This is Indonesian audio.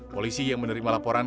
polisi yang menerima laporan